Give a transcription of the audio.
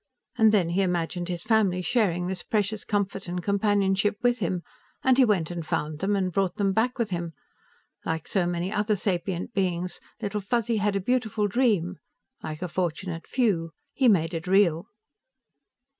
And then he imagined his family sharing this precious comfort and companionship with him, and he went and found them and brought them back with him. Like so many other sapient beings, Little Fuzzy had a beautiful dream; like a fortunate few, he made it real."